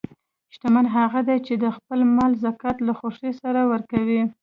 شتمن هغه دی چې د خپل مال زکات له خوښۍ سره ورکوي.